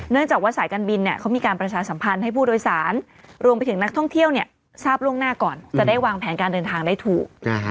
จากว่าสายการบินเขามีการประชาสัมพันธ์ให้ผู้โดยสารรวมไปถึงนักท่องเที่ยวทราบล่วงหน้าก่อนจะได้วางแผนการเดินทางได้ถูก